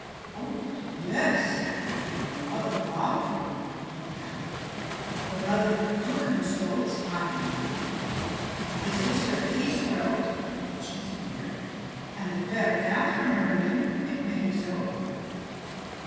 "Oh, yes! if the mother Malcho (Milk Cow), the brother Hohenstolz (High and Mighty), the sister Kâsetraut (Cheese maker), and the fair Catherine are willing, it may be so."